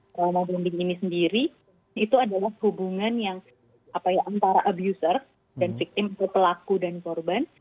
trauma bonding ini sendiri itu adalah hubungan yang apa ya antara abuser dan victim atau pelaku dan korban